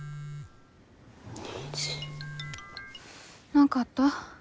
何かあった？